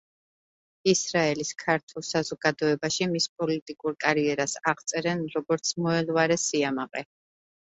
ისრაელის ქართულ საზოგადოებაში მის პოლიტიკურ კარიერას აღწერენ, როგორც „მოელვარე სიამაყე“.